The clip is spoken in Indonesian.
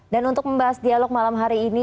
dan untuk membahas dialog malam hari ini